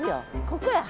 ここや。